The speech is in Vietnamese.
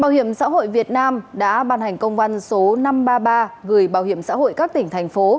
bảo hiểm xã hội việt nam đã ban hành công văn số năm trăm ba mươi ba gửi bảo hiểm xã hội các tỉnh thành phố